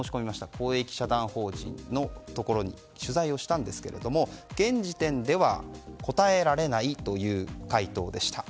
公益社団法人のところに取材をしたんですが現時点では答えられないという回答でした。